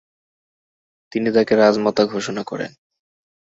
তিনি তাকে রাজমাতা ঘোষণা করেন।